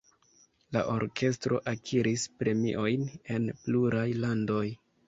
La orkestro akiris premiojn en pluraj landoj.